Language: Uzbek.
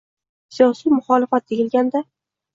Siyosiy muxolifat deyilganda